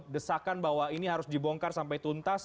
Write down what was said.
desakan bahwa ini harus dibongkar sampai tuntas